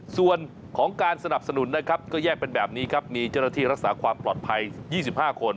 ส่วนของการสนับสนุนนะครับก็แยกเป็นแบบนี้ครับมีเจ้าหน้าที่รักษาความปลอดภัย๒๕คน